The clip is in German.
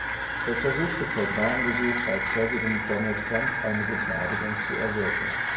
Er versuchte per Gnadengesuch bei Präsident Donald Trump eine Begnadigung zu erwirken.